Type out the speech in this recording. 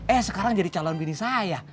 eh sekarang jadi calon bini saya